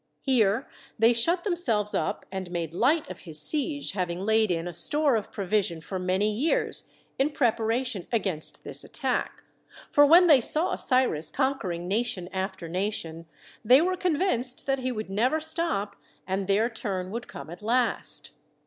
Here they shut themselves up and made light of his siege, having laid in a store of provision for many years in preparation against this attack; for when they saw Cyrus conquering nation after nation, they were convinced that he would never stop, and their turn would come at last.